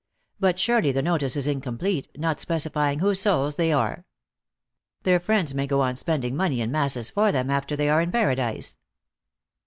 But surely the notice is incomplete, not specifying whose souls they are. Their friends may go on spending money in masses for them after they are in Paradise."